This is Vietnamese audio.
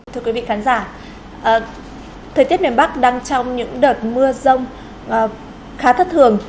thưa quý vị khán giả thời tiết miền bắc đang trong những đợt mưa rông khá thất thường